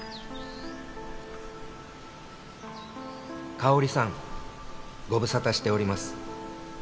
「佳保里さんご無沙汰しております」